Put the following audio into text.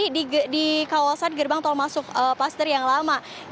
di kawasan gerbang tol masuk paster yang lama